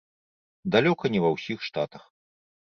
Далёка не ва ўсіх штатах.